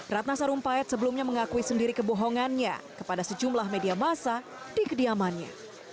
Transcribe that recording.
ratna sarumpait sebelumnya mengakui sendiri kebohongannya kepada sejumlah media masa di kediamannya